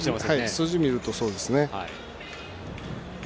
数字を見ると、そうですね。